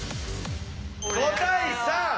５対３！